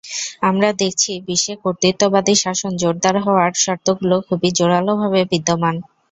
আমরা দেখছি বিশ্বে কর্তৃত্ববাদী শাসন জোরদার হওয়ার শর্তগুলো খুবই জোরালোভাবে বিদ্যমান।